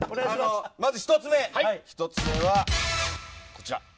まず１つ目はこちら。